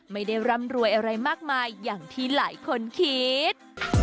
ร่ำรวยอะไรมากมายอย่างที่หลายคนคิด